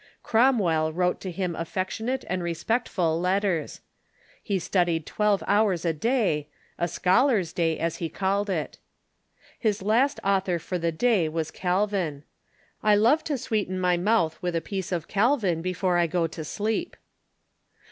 Cromwell wrote to liim affectionate and respectful letters. He studied twelve hours a da) —" a scholar's day," as he called it. His last author for the day was Calvin. "I love to sweeten my mouth with a piece of Calvin before I go to sleep."